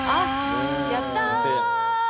やった！